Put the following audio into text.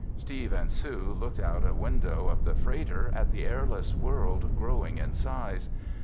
Steve and Sue looked out a window of the freighter at the airless world growing in size.